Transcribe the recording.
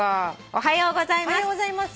「おはようございます。